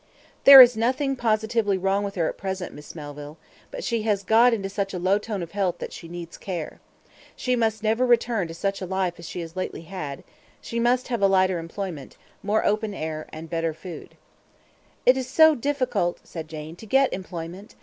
"There is nothing positively wrong with her at present, Miss Melville; but she has got into such a low tone of health that she needs care. She must never return to such a life as she has had lately; she must have a lighter employment, more open air, and better food." "It is so difficult," said Jane, "to get employment.